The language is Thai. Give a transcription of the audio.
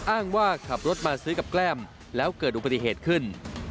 อ้างว่าขับรถมาซื้อกับแกล้มแล้วเกิดอุบัติเหตุขึ้น